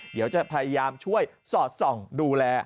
เดี๋ยวจะพยายามช่วยสอดส่องดูแล